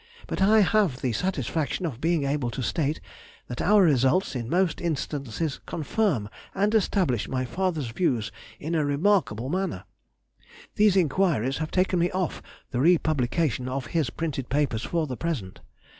But I have the satisfaction of being able to state that our results in most instances confirm and establish my father's views in a remarkable manner. These inquiries have taken me off the republication of his printed papers for the present.